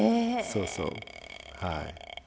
そうそうはい。